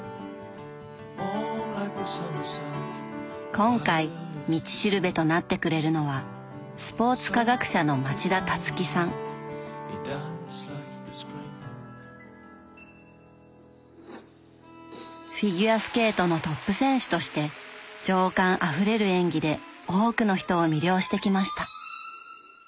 今回「道しるべ」となってくれるのはフィギュアスケートのトップ選手として情感あふれる演技で多くの人を魅了してきました。